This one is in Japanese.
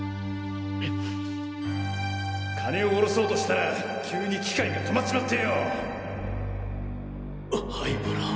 金をおろそうとしたら急に機械が止まっちハイバラ